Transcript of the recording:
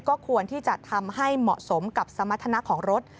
ก็ควรที่จะทำให้เหมาะสมกับสมรรถนะของรถ